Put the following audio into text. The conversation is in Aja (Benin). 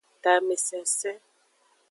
Tamesensen.